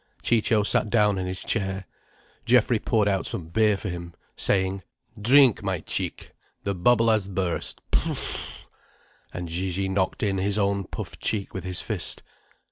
Ciccio sat down in his chair. Geoffrey poured out some beer for him, saying: "Drink, my Cic', the bubble has burst, prfff!" And Gigi knocked in his own puffed cheek with his fist.